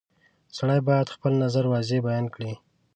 • سړی باید خپل نظر واضح بیان کړي.